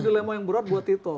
dilema yang berat buat itu